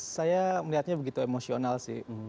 saya melihatnya begitu emosional sih